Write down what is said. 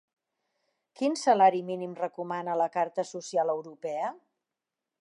Quin salari mínim recomana la Carta Social Europea?